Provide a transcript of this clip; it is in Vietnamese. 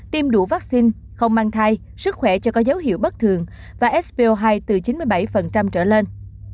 tiêm đủ vaccine không mang thai sức khỏe cho có dấu hiệu bất thường và sp hai từ chín mươi bảy trở lên